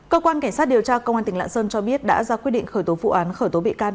cơ quan cảnh sát điều tra công an tỉnh lạng sơn cho biết đã ra quyết định khởi tố vụ án khởi tố bị can